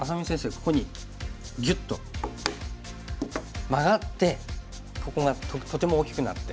ここにギュッとマガってここがとても大きくなって。